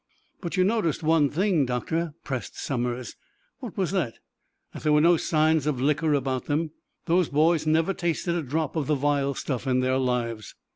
"But you noticed one thing, Doctor?" pressed Somers. "What was that?" "That there were no signs of liquor about them? Those boys never tasted a drop of the vile stuff in their lives!"